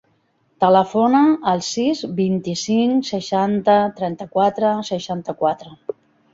Telefona al sis, vint-i-cinc, seixanta, trenta-quatre, seixanta-quatre.